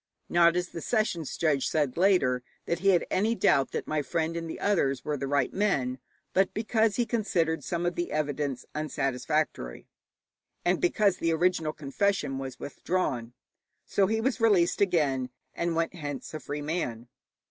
Not, as the sessions judge said later, that he had any doubt that my friend and the others were the right men, but because he considered some of the evidence unsatisfactory, and because the original confession was withdrawn. So he was released again, and went hence a free man.